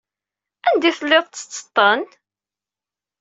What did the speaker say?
Anda ay telliḍ tettetteḍ-ten?